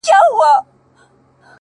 دا لوړ ځل و؛ تر سلامه پوري پاته نه سوم؛